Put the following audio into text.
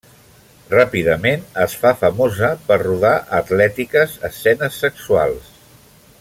Ràpidament es fa famosa per rodar atlètiques escenes sexuals.